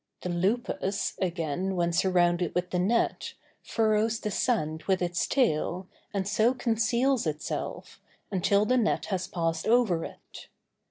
The lupus, again, when surrounded with the net, furrows the sand with its tail, and so conceals itself, until the net has passed over it.